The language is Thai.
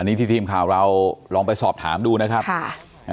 นี่ที่ทีมข่าวเราลองไปสอบถามดูนะครับค่ะอ่า